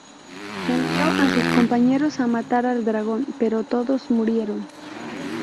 Envió a sus compañeros a matar al dragón, pero todos murieron.